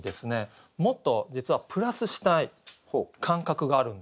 もっと実はプラスしたい感覚があるんですよ。